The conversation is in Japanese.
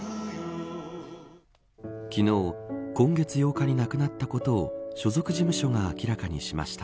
昨日、今月８日に亡くなったことを所属事務所が明らかにしました。